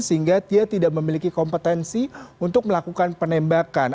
sehingga dia tidak memiliki kompetensi untuk melakukan penembakan